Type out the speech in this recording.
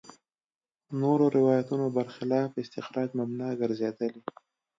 نورو روایتونو برخلاف استخراج مبنا ګرځېدلي.